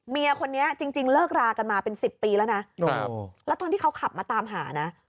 เมียคนนี้จริงเลิกรากันมาเป็น๑๐ปีแล้วนะแล้วตอนที่เขาขับมาตามหานะ